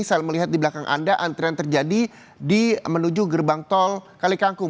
saya melihat di belakang anda antrian terjadi menuju gerbang tol kalikangkung